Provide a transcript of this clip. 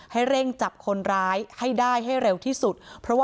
ให้เร่งจับคนร้ายให้ได้ให้เร็วที่สุด